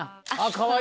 かわいい。